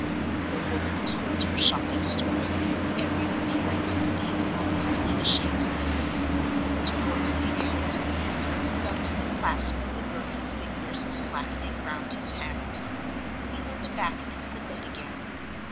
The woman told her shocking story, with every appearance of being honestly ashamed of it. Toward the end, Kirke felt the clasp of the burning fingers slackening round his hand. He looked back at the bed again.